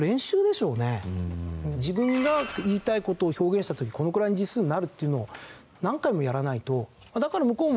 自分が言いたい事を表現した時にこのくらいの字数になるっていうのを何回もやらないと。